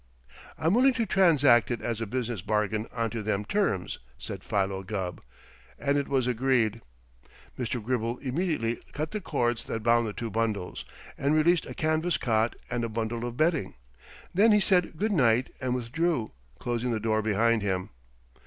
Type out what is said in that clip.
"I'm willing to transact it as a business bargain onto them terms," said Philo Gubb, and it was agreed. Mr. Gribble immediately cut the cords that bound the two bundles, and released a canvas cot and a bundle of bedding. Then he said good night and withdrew, closing the door behind him.